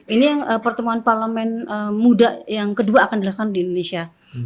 ini pertemuan parlemen muda yang kedua akan dilaksanakan di indonesia